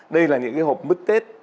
đây là những cái hộp mứt tết